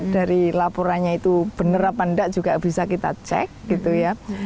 dari laporannya itu benar apa enggak juga bisa kita cek gitu ya